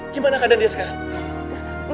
gimana keadaan dia sekarang